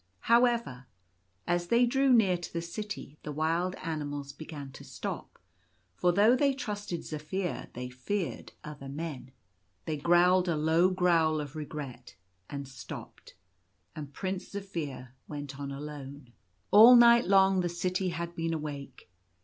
However, as they drew near to the City the wild animals began to stop, for though they trusted Zaphir they feared other men. They growled a low growl of regret and stopped; and Prince Zaphir went on alone. 40 Zaphir's Return. All night long the city had been awake.